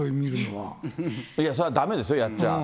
いや、それはだめですよ、やっちゃ。